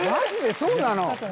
そうなの？